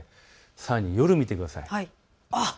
さらに夜、見てください。